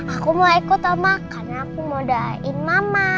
aku mau ikut sama karena aku mau doain mama